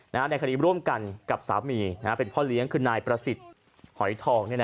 ในคดีร่วมกันกับสามีเป็นพ่อเลี้ยงคือนายประสิทธิ์หอยทอง